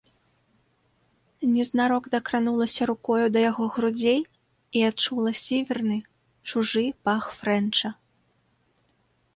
Незнарок дакранулася рукою да яго грудзей і адчула сіверны, чужы пах фрэнча.